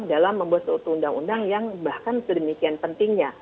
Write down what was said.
dalam membuat suatu undang undang yang bahkan sedemikian pentingnya